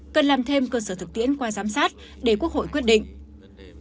cần làm thêm cơ sở thực tiễn qua giám sát để quốc hội quyết định